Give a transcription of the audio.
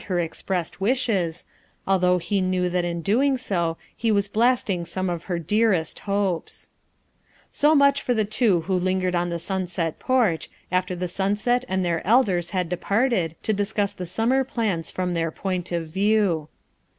her expressed wishes, although he knew that in doing so he was blasting some of her dearest hopes* So much for the two who lingered on the sun set porch, after the sunset and their elders had departed, to discuss the summer plans from their point of view.